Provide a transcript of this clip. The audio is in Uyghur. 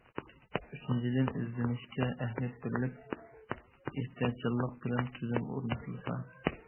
ئۈچىنچىدىن، ئىزدىنىشكە ئەھمىيەت بېرىلىپ، ئېھتىياتچانلىق بىلەن تۈزۈم ئورنىتىلسا.